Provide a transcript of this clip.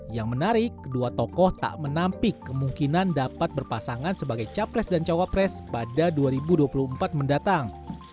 yang menarik kedua tokoh tak menampik kemungkinan dapat berpasangan sebagai capres dan cawapres pada dua ribu dua puluh empat mendatang